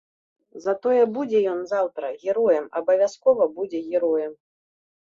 Затое будзе ён заўтра героем, абавязкова будзе героем.